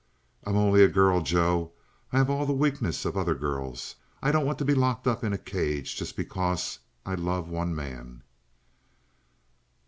"I'm only a girl, Joe. I have all the weakness of other girls. I don't want to be locked up in a cage just because I love one man!"